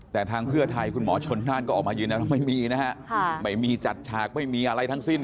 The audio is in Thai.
แต่ทางเพื่อไทยคุณหมอชนน่านก็ออกมายืนแล้วไม่มีนะฮะไม่มีจัดฉากไม่มีอะไรทั้งสิ้น